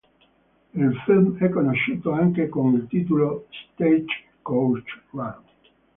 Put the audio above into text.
Il film è conosciuto anche con il titolo "Stagecoach Run".